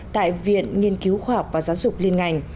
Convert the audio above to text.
tại viện nghiên cứu khoa học và giáo dục liên ngành